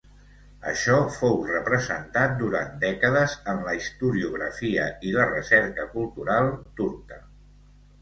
Això fou representat durant dècades en la historiografia i la recerca cultural turca.